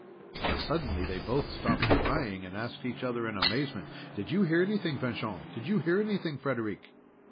But suddenly they both stopped crying, and asked each other in amazement: "Do you hear anything, Fanchon?" "Do you hear anything, Frederic?"